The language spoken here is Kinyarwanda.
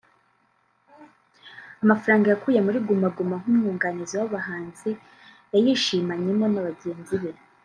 Amafaranga yakuye muri Guma Guma nk’umwunganizi w’abahanzi yayishimanyemo na bagenzi be